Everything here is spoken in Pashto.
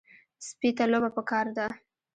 سپي ته لوبه پکار ده.